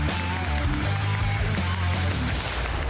ติดตามเลย